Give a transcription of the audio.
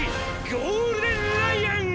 ゴールデンライアン！！